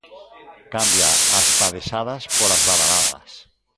Cambia as padexadas polas badaladas.